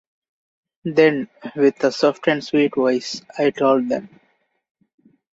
Then, with a soft and sweet voice, I told them: